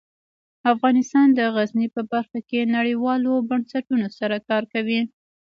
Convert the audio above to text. افغانستان د غزني په برخه کې نړیوالو بنسټونو سره کار کوي.